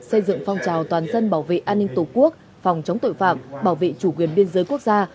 xây dựng phong trào toàn dân bảo vệ an ninh tổ quốc phòng chống tội phạm bảo vệ chủ quyền biên giới quốc gia